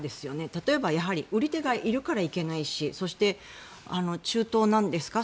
例えば売り手がいるからいけないしそして、中東なんですか